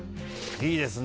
いいですね。